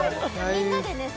みんなでね